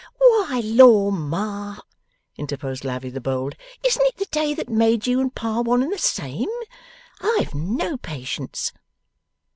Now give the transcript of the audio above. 'Why, Lor, Ma,' interposed Lavvy the bold, 'isn't it the day that made you and Pa one and the same? I have no patience!